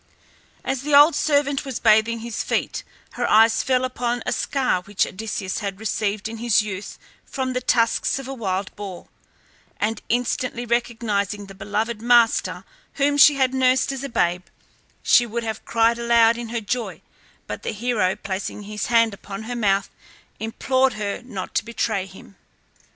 As the old servant was bathing his feet her eyes fell upon a scar which Odysseus had received in his youth from the tusks of a wild boar; and instantly recognizing the beloved master whom she had nursed as a babe, she would have cried aloud in her joy, but the hero placing his hand upon her mouth, implored her not to betray him.